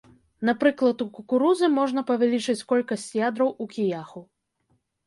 Напрыклад, у кукурузы можна павялічыць колькасць ядраў у кіяху.